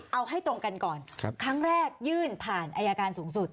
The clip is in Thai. เอาให้ตรงกันก่อนครั้งแรกยื่นผ่านอายการสูงสุด